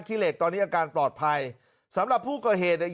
เหล็กตอนนี้อาการปลอดภัยสำหรับผู้ก่อเหตุเนี่ย